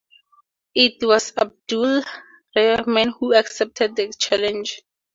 It was Abdul-Rahman who accepted the challenge.